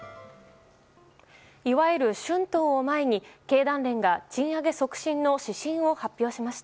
いわゆる春闘を前に経団連が賃上げ促進の指針を発表しました。